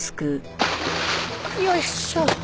よいしょ。